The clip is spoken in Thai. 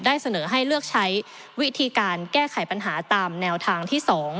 เสนอให้เลือกใช้วิธีการแก้ไขปัญหาตามแนวทางที่๒